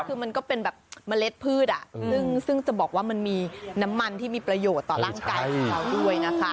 คือมันก็เป็นแบบเมล็ดพืชซึ่งจะบอกว่ามันมีน้ำมันที่มีประโยชน์ต่อร่างกายของเขาด้วยนะคะ